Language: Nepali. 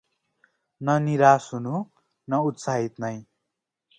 न निराश हुनु न उत्साहित नै ।